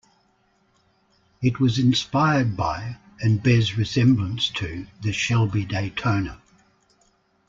It was inspired by and bears resemblance to the Shelby Daytona.